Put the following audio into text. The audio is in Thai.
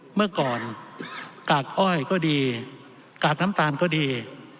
เมื่อก่อนกากอ้อยก็ดีกากน้ำตาลก็ดี